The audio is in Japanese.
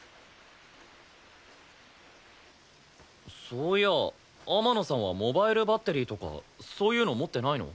そういや天野さんはモバイルバッテリーとかそういうの持ってないの？